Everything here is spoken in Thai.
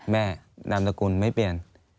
นามสกุลไม่เปลี่ยน